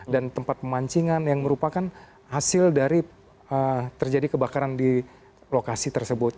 dan tempat pemancingan yang merupakan hasil dari terjadi kebakaran di lokasi tersebut